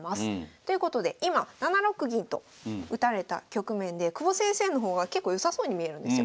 ということで今７六銀と打たれた局面で久保先生の方が結構良さそうに見えるんですよ。